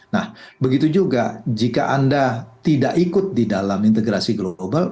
nah begitu juga jika anda tidak ikut di dalam integrasi global